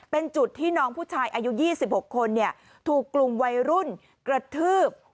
เป็นจุดที่น้องผู้ชายอายุ๒๖คนถูกกลุ่มวัยรุ่นกระทืบ